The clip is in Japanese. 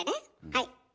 はい。